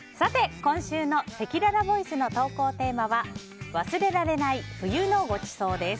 今週のせきららボイスの投稿テーマは忘れられない冬のごちそうです。